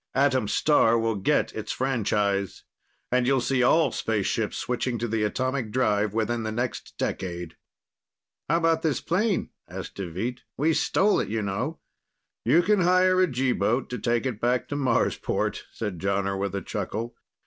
Atom Star will get its franchise, and you'll see all spaceships switching to the atomic drive within the next decade." "How about this plane?" asked Deveet. "We stole it, you know." "You can hire a G boat to take it back to Marsport," said Jonner with a chuckle.